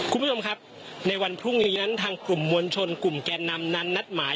คุณผู้ชมครับในวันพรุ่งนี้นั้นทางกลุ่มมวลชนกลุ่มแกนนำนั้นนัดหมาย